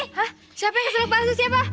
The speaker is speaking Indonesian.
hah siapa yang keselak baso siapa